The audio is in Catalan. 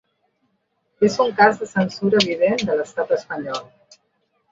És un cas de censura evident de l’estat espanyol.